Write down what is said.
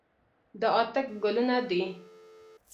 دا اته ګلونه دي.